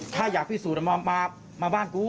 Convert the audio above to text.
ถ้าอยากพิสูจน์มาบ้านกู